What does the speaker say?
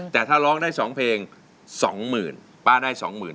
แต่ถ้าร้องได้๒เพลง๒๐๐๐ป้าได้๒๐๐๐